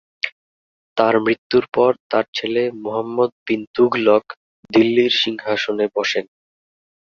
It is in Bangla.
তার মৃত্যুর পর তার ছেলে মুহাম্মদ বিন তুগলক দিল্লির সিংহাসনে বসেন।